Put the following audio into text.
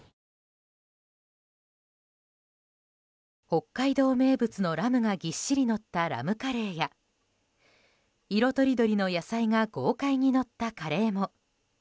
北海道名物のラムがぎっしりのったラムカレーや色とりどりの野菜が豪快にのったカレーも。